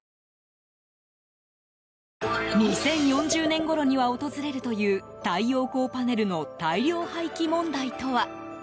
２０４０年ごろには訪れるという太陽光パネルの大量廃棄問題とは。